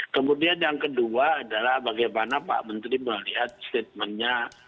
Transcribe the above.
kemudian yang kedua adalah bagaimana pak menteri melihat statementnya